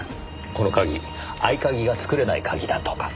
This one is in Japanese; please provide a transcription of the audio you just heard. この鍵合鍵が作れない鍵だとか。